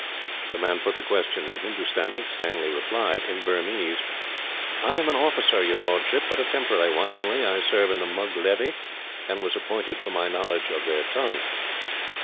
The man put the question in Hindustani. Stanley replied, in Burmese: "I am an officer, your lordship, but a temporary one, only. I served in the Mug levy, and was appointed for my knowledge of their tongue."